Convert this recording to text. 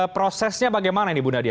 prosesnya bagaimana ini bu nadia